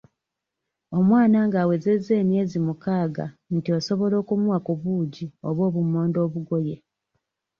Omwana ng'awezezza emyezi mukaaga nti osobola okumuwa ku buugi oba obummonde obugoye.